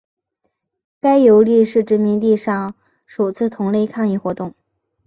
该游利是殖民地上首次同类抗议活动。